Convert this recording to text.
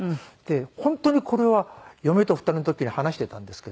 で本当にこれは嫁と２人の時に話していたんですけど。